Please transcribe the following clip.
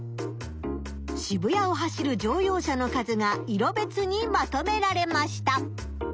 渋谷を走る乗用車の数が色別にまとめられました。